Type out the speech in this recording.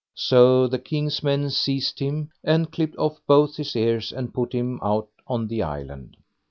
So the king's men seized him, and clipped off both his ears, and put him out on the island.